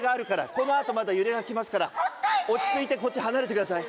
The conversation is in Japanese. このあとまだ揺れが来ますから落ち着いてこっち離れて下さい。